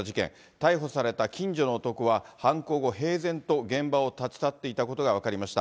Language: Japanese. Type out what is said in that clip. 逮捕された近所の男は犯行後、平然と現場を立ち去っていたことが分かりました。